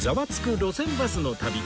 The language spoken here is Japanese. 路線バスの旅』